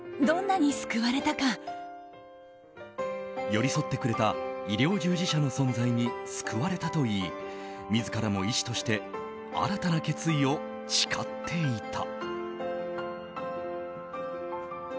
寄り添ってくれた医療従事者の存在に救われたといい自らも医師として新たな決意を誓っていた。